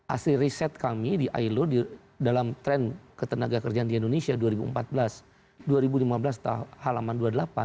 asli riset kami di ilo dalam tren ketenaga kerjaan di indonesia dua ribu empat belas dua ribu lima belas halaman dua puluh delapan